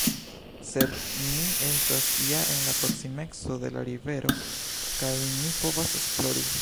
Sed ni estas ja en la proksimeco de la rivero kaj ni povas esplori.